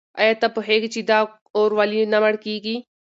آیا ته پوهېږې چې دا اور ولې نه مړ کېږي؟